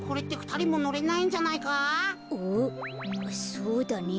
そうだね。